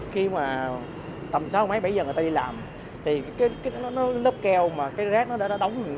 khi mà tầm sáu mấy bảy giờ người ta đi làm thì cái lớp keo mà cái rác nó đã đóng